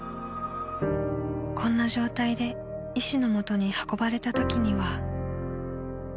［こんな状態で医師の元に運ばれたときには］